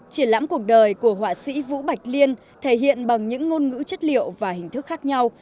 triển lãm cuộc đời của họa sĩ vũ bạch liên thể hiện bằng những ngôn ngữ chất liệu và hình thức khác nhau